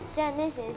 先生